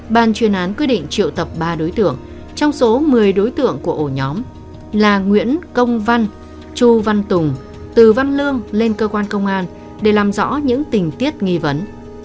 ban chuyên án quyết định triệu tập ba đối tượng trong số một mươi đối tượng của ổ nhóm là nguyễn công văn chu văn tùng từ văn lương lên cơ quan công an để làm rõ những tình tiết nghi vấn